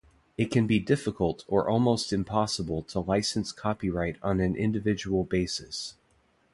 It can be difficult or almost impossible to license copyright on an individual basis.